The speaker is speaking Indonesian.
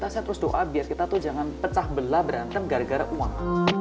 saya terus doa biar kita tuh jangan pecah belah berantem gara gara uang